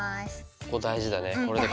ここ大事だね。